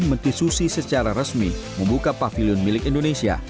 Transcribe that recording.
menteri susi secara resmi membuka pavilion milik indonesia